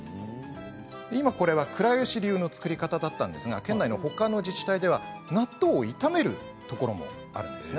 今これは倉吉流の作り方だったんですが県内のほかの自治体では納豆を炒めるところもあるんです。